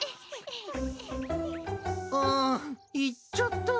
ああ行っちゃった。